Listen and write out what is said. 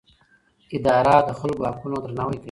اداره د خلکو حقونه درناوی کوي.